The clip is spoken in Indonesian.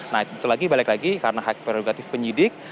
nah itu lagi balik lagi karena hak prerogatif penyidik